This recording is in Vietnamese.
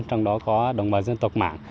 trong đó có đồng bào dân tộc mạng